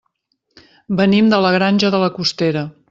Venim de la Granja de la Costera.